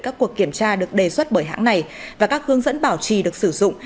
các cuộc kiểm tra được đề xuất bởi hãng này và các hướng dẫn bảo trì được sử dụng